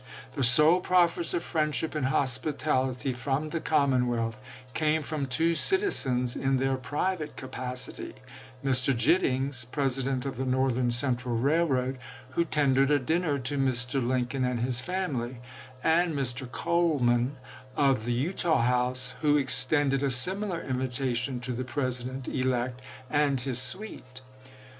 The sole proffers of friendship and hospi tality from the commonwealth came from two citizens in their private capacity — Mr. Gittings, President of the Northern Central Railroad, who tendered a dinner to Mr. Lincoln and his family ; and Mr. Coleman, of the Eutaw House, who ex tended a similar invitation to the President elect and his suite.